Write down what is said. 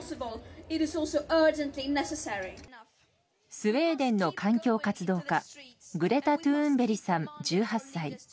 スウェーデンの環境活動家グレタ・トゥーンベリさん１８歳。